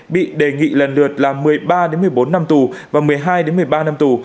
bị đề nghị lần lượt là một mươi ba một mươi bốn năm tù và một mươi hai một mươi ba năm tù